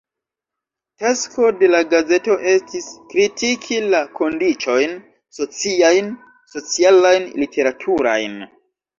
Tasko de la gazeto estis kritiki la kondiĉojn sociajn, socialajn, literaturajn.